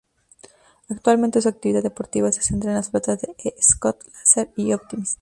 Actualmente su actividad deportiva se centra en sus flotas de E-Scow, Laser y Optimist.